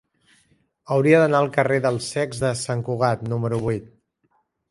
Hauria d'anar al carrer dels Cecs de Sant Cugat número vuit.